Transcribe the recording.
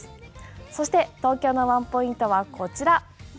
そして東京のワンポイントはこちら。